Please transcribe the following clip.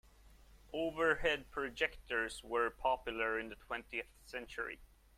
Overhead projectors were popular in the twentieth century.